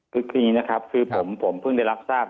คืออย่างนี้นะครับคือผมเพิ่งได้รับทราบ